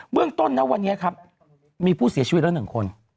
เรื่องต้นนะวันนี้ครับมีผู้เสียชีวิตแล้ว๑คน